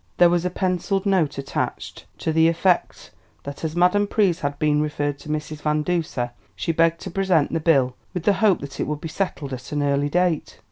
There was a pencilled note attached, to the effect that as Madame Pryse had been referred to Mrs. Van Duser, she begged to present the bill, with the hope that it would be settled at an early date.